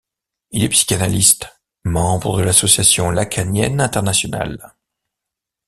Il est psychanalyste, membre de l'Association lacanienne internationale.